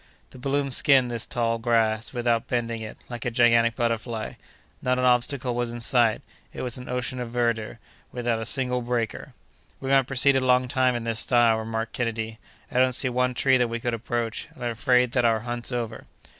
The balloon skimmed this tall grass without bending it, like a gigantic butterfly: not an obstacle was in sight; it was an ocean of verdure without a single breaker. "We might proceed a long time in this style," remarked Kennedy; "I don't see one tree that we could approach, and I'm afraid that our hunt's over."